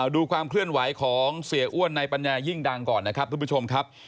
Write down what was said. ดูความเคลื่อนไหวของเสียอ้วนในปัญญายิ่งดังก่อนนะครับทุกผู้ชมครับ